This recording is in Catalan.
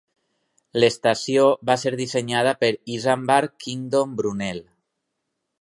L'estació va ser dissenyada per Isambard Kingdom Brunel.